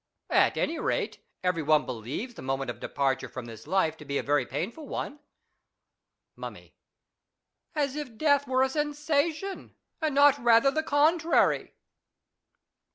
At any rate, every one believes the moment of departure from this life to be a very painful one. Mummy. As if death were a sensation, and not rather the contrary.